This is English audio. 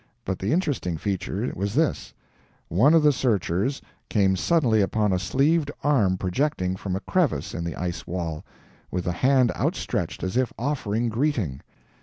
But the interesting feature was this: One of the searchers came suddenly upon a sleeved arm projecting from a crevice in the ice wall, with the hand outstretched as if offering greeting!